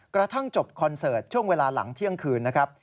กระทั่งจบคอนเสิร์ตช่วงเวลาหลังเที่ยงคืนนะครับ